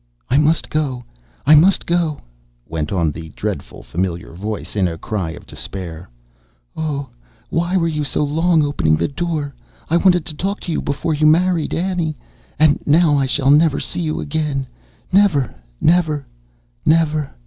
"I must go, I must go," went on the dreadful, familiar voice, in a cry of despair. "Oh, why were you so long opening the door? I wanted to talk to you before you married Annie; and now I shall never see you again—never! never! _never!